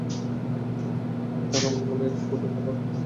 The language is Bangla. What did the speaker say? তারা আমার গলায় একটি কুকুরের কলার বেঁধেছিল।